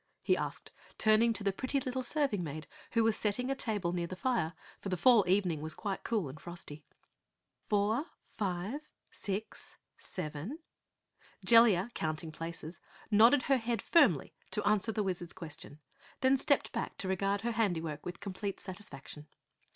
he asked, turning to the pretty little serving maid who was setting a table near the fire, for the fall evening was quite cool and frosty. "Four five six seven ." Jellia, counting places, nodded her head firmly to answer the Wizard's question, then stepped back to regard her handiwork with complete satisfaction.